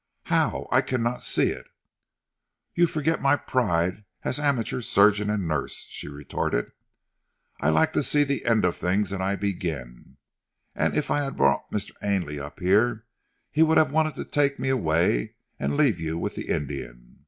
"How? I cannot see it." "You forget my pride as amateur surgeon and nurse," she retorted. "I like to see the end of things that I begin, and if I had brought Mr. Ainley up here he would have wanted to take me away, and leave you with the Indian."